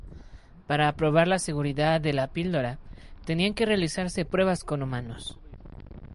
Para probar la seguridad de "la píldora", tenían que realizarse pruebas con humanos.